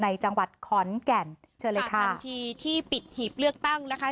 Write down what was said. จังหวัดขอนแก่นเชิญเลยค่ะทันทีที่ปิดหีบเลือกตั้งนะคะ